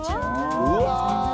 うわ